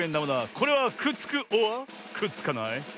これはくっつくｏｒくっつかない？